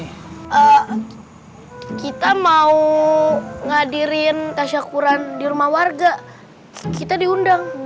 kita mau ngadirin tasyakuran di rumah warga kita diundang